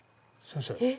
先生？